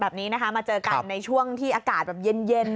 แบบนี้นะคะมาเจอกันในช่วงที่อากาศแบบเย็น